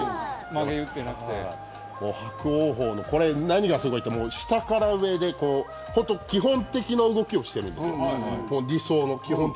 伯桜鵬の何がすごいって下から上へ、理想の基本的な動きをしているんです。